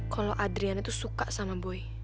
kalau adrian itu suka sama boy